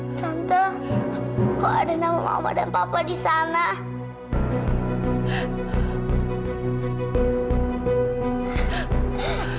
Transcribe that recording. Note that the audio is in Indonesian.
nama nama korban yang tewas dalam kecelakaan pesawat tersebut